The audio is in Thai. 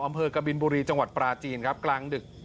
กบินบุรีจังหวัดปราจีนครับกลางดึก